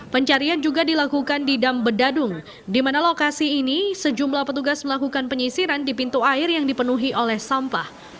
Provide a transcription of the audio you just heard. pencarian juga dilakukan di dambedadung di mana lokasi ini sejumlah petugas melakukan penyisiran di pintu air yang dipenuhi oleh sampah